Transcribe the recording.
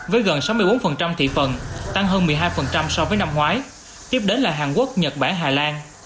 với gần sáu mươi bốn thị phần tăng hơn một mươi hai so với năm ngoái tiếp đến là hàn quốc nhật bản hà lan